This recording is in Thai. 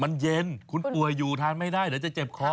มันเย็นคุณป่วยอยู่ทานไม่ได้เดี๋ยวจะเจ็บคอ